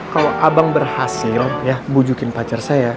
kalau abang berhasil ya bujukin pacar saya